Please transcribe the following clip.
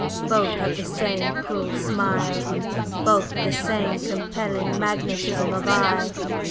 Both have the same cruel smile, both the same compelling magnetism of eye.